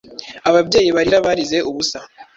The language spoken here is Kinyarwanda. Ababyeyi barira barize ubusa.